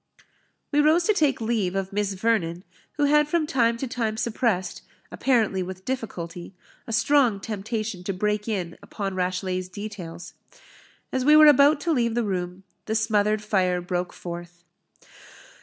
We rose to take leave of Miss Vernon, who had from time to time suppressed, apparently with difficulty, a strong temptation to break in upon Rashleigh's details. As we were about to leave the room, the smothered fire broke forth.